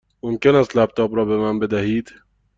ممکن است لپ تاپ را به من بدهید؟